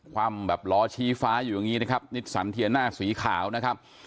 ความแบบล้อชี้ฟ้าอยู่อย่างนี้นะครับนิสสันเทียน่าสีขาวนะครับ